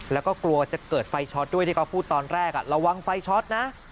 แล้วก็กลัวจะเกิดไฟช็อตด้วยที่เขาพูดตอนแรกระวังไฟช็อตนะ